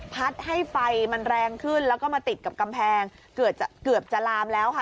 ให้ไฟมันแรงขึ้นแล้วก็มาติดกับกำแพงเกือบจะเกือบจะลามแล้วค่ะ